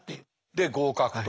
で合格と。